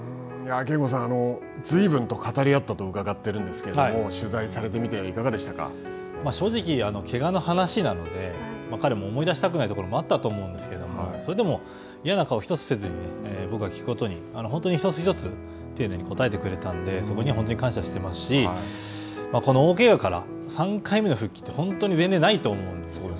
憲剛さん、ずいぶんと語り合ったと伺っているんですけれども、正直、けがの話なので、彼も思い出したくないところもあったと思うんですけど、それでも嫌な顔１つせずに、僕が聞くことに本当に一つ一つ、丁寧に答えてくれたんで、そこに本当に感謝していますし、この大けがから３回目の復帰って、本当に前例がないと思うんですね。